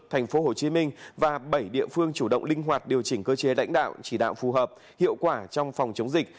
tp hcm và bảy địa phương chủ động linh hoạt điều chỉnh cơ chế lãnh đạo chỉ đạo phù hợp hiệu quả trong phòng chống dịch